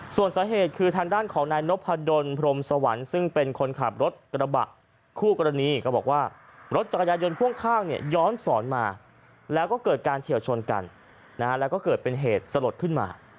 ส่วนสาเหตุคือทางด้านของนายนพดลพรมสวรรค์ซึ่งเป็นคนขับรถกระบะคู่กรณีก็บอกว่ารถจักรยายนพ่วงข้างเนี่ยย้อนสอนมาแล้วก็เกิดการเฉียวชนกันแล้วก็เกิดเป็นเหตุสลดขึ้นมา